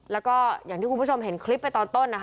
แล้วก็อย่างที่คุณผู้ชมเห็นคลิปไปตอนต้นนะคะ